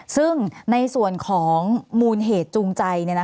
ซึ่งในส่วนของมูลเหตุจูงใจ